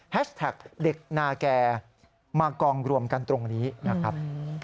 แท็กเด็กนาแก่มากองรวมกันตรงนี้นะครับ